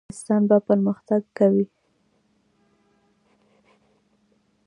افغانستان به پرمختګ کوي؟